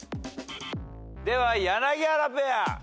では柳原ペア。